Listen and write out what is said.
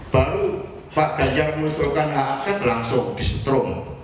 baru pak ganjar mengusulkan hak angket langsung di strong